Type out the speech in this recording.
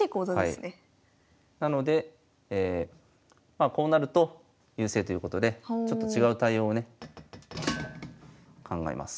なのでまあこうなると優勢ということでちょっと違う対応をね考えます。